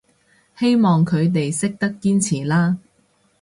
希望佢哋識得堅持啦